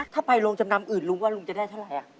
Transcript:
ถ้าไปโรงจำนำอื่นลุงว่าลุงจะได้เท่าไหร่